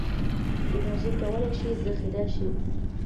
انرژي کولی شي ذخیره شي.